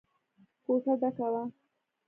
کوټه ډکه وه.